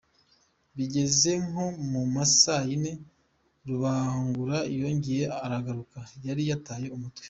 Bigeze nko mu ma saa yine, Rubangura yarongeye aragaruka, yari yataye umutwe.